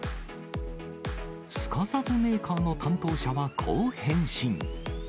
すかさずメーカーの担当者はこう返信。